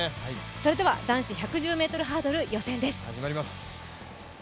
それでは男子１１０ｍハードル予選です。